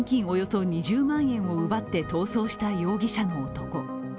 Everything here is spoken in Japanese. およそ２０万円を奪って逃走した容疑者の男。